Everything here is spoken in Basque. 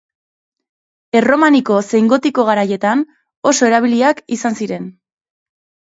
Erromaniko zein gotiko garaietan oso erabiliak izan ziren.